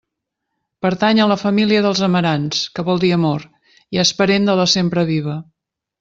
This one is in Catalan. Pertany a la família dels amarants, que vol dir amor, i és parent de la sempreviva.